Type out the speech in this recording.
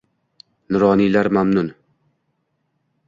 Nuroniylar mamnun